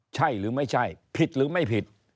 ใช่หรือไม่ใช่ผิดหรือไม่ผิด